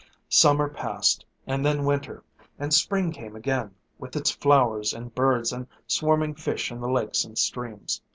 Summer passed, and then winter; and spring came again, with its flowers and birds and swarming fish in the lakes and streams.